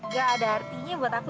gak ada artinya buat aku